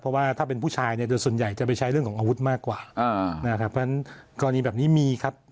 เพราะว่าถ้าเป็นผู้ชายเนี่ยโดยส่วนใหญ่จะไปใช้เรื่องของอาวุธมากกว่านะครับเพราะฉะนั้นกรณีแบบนี้มีครับ